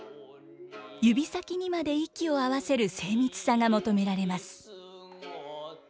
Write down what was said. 指先にまで息を合わせる精密さが求められます。